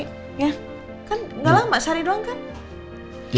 kan gak lama sehari doang kan